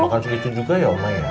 makan sikit juga ya oma ya